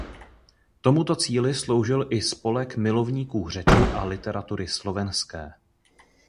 Tomuto cíli sloužil i Spolek milovníků řeči a literatury slovenské.